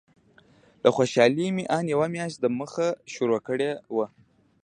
له خوشالۍ مې ان یوه میاشت دمخه شروع کړې وه.